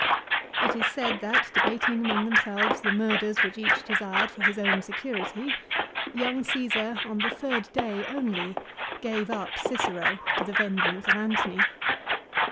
It is said that, debating among themselves the murders which each desired for his own security, young Caesar, on the third day only, gave up Cicero to the vengeance of Antony.